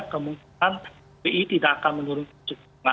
kemungkinan bi tidak akan menurunkan suku bunga